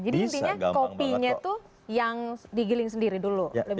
jadi intinya kopinya itu yang digiling sendiri dulu